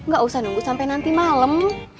gak usah nunggu sampe nanti malem